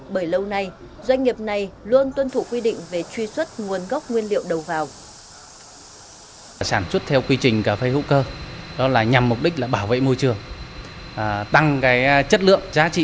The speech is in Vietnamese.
bởi lâu nay doanh nghiệp này luôn tuân thủ quy định về truy xuất nguồn gốc nguyên liệu đầu vào